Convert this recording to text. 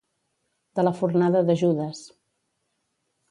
De la fornada de Judes.